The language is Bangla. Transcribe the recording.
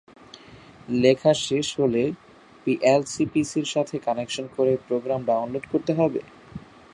লেখা শেষ হলে পিএলসি পিসির সাথে কানেকশন করে প্রোগ্রাম ডাউনলোড করতে হবে।